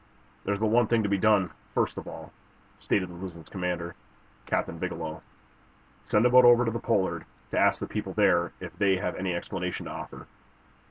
"There's but one thing to be done, first of all," stated the "Luzon's" commander, Captain Bigelow. "Send a boat over to the 'Pollard' to ask the people there if they have any explanation to offer."